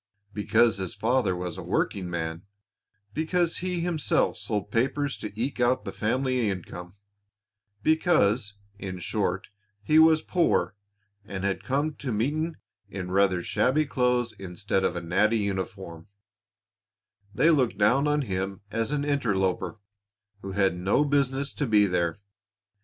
Because his father was a working man, because he himself sold papers to eke out the family income, because, in short, he was poor and had come to meeting in rather shabby clothes instead of a natty uniform, they looked down on him as an interloper who had no business to be there.